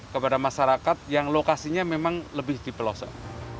kepada masyarakat yang lokasinya memang lebih di pelosok